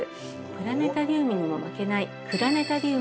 プラネタリウムにも負けない。